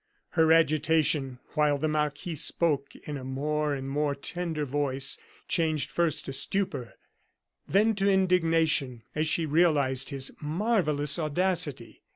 Her agitation, while the marquis spoke in a more and more tender voice, changed first to stupor, then to indignation, as she realized his marvellous audacity.